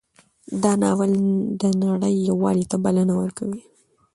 دا ناول د نړۍ یووالي ته بلنه ورکوي.